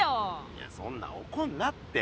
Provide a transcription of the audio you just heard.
いやそんなおこんなって。